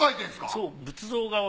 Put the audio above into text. そう。